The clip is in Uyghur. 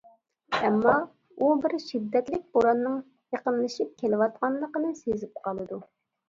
ئەمما، ئۇ بىر شىددەتلىك بوراننىڭ يېقىنلىشىپ كېلىۋاتقانلىقىنى سېزىپ قالىدۇ.